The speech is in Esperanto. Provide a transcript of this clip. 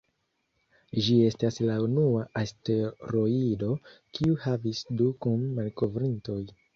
Ĝi estas la unua asteroido, kiu havis du kun-malkovrintoj.